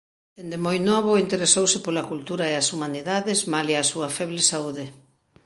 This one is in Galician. Dende moi novo interesouse pola cultura e as humanidades malia a súa feble saúde.